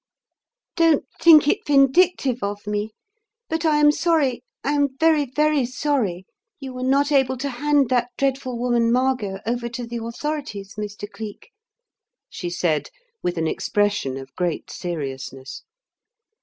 "Don't think it vindictive of me, but I am sorry, I am very, very sorry you were not able to hand that dreadful woman, Margot, over to the authorities, Mr. Cleek," she said, with an expression of great seriousness.